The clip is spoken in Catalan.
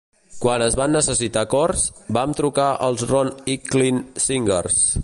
Quan es van necessitar cors, vam trucar els Ron Hicklin Singers.